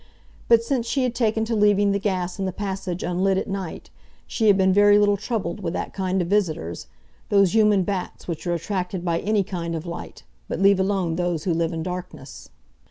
But since she had taken to leaving the gas in the passage unlit at night she had been very little troubled with that kind of visitors, those human bats which are attracted by any kind of light but leave alone those who live in darkness.